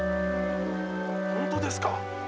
本当ですか？